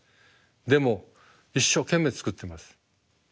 でも一生懸命作ってます。